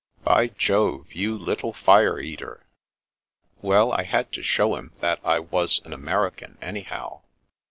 " By Jove, you little fire eater! "" Wdl, I had to show him that I was an American, anyhow."